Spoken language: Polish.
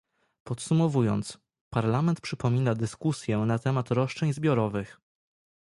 Podsumowując, Parlament przypomina dyskusję na temat roszczeń zbiorowych